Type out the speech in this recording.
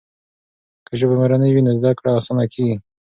که ژبه مورنۍ وي نو زده کړه اسانه کېږي.